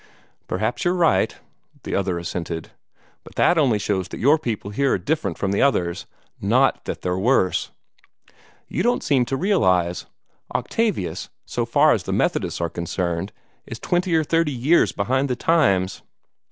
"Perhaps you're right," the other assented; "but that only shows that your people here are different from the others not that they're worse. You don't seem to realize: Octavius, so far as the Methodists are concerned, is twenty or thirty years behind the times.